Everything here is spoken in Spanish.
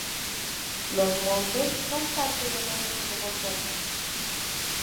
Los montes son parte de una erupción volcánica.